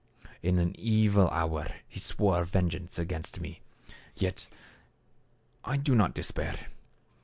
In an evil hour he swore vengeance against me. Yet I do not despair.